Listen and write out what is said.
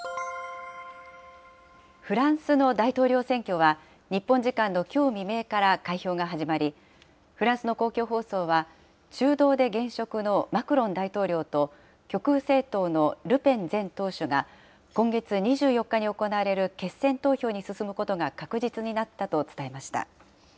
フランスの大統領選挙は、日本時間のきょう未明から開票が始まり、フランスの公共放送は、中道で現職のマクロン大統領と、極右政党のルペン前党首が、今月２４日に行われる決選投票に進むことが確実になったと伝えました。